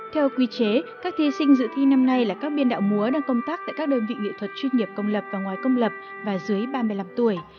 theo quy chế các thi sinh dự thi năm nay là các biên đạo múa đang công tác tại các đơn vị nghệ thuật chuyên nghiệp công lập và ngoài công lập và dưới ba mươi năm tuổi